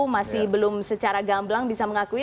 masih belum secara gamblang bisa mengakui